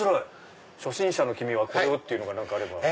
初心者の君はこれを！っていうのがあれば。